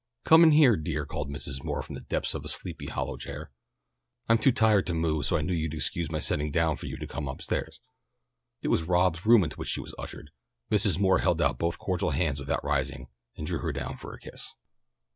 "Come in here, dear," called Mrs. Moore from the depths of a sleepy hollow chair. "I'm too tired to move, so I knew you'd excuse my sending down for you to come up stairs." It was Rob's room into which she was ushered. Mrs. Moore held out both cordial hands without rising, and drew her down for a kiss.